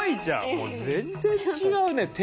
もう全然違うね体が。